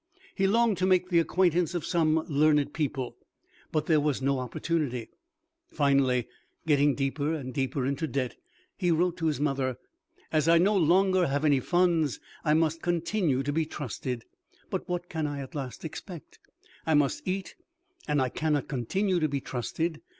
He longed to make the acquaintance of some learned people, but there was no opportunity. Finally, getting deeper and deeper into debt, he wrote to his mother, "As I have no longer any funds, I must continue to be trusted. But what can I at last expect? I must eat, and I cannot continue to be trusted.